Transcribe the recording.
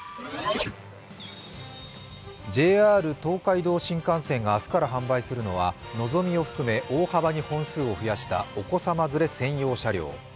ＪＲ東海道新幹線が明日から販売するのはのぞみを含め大幅に本数を増やしたお子さま連れ専用車両。